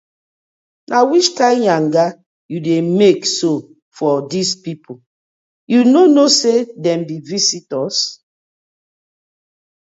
Which kind yanga you dey mek so for dis pipu, yu no kno say dem bi visitors?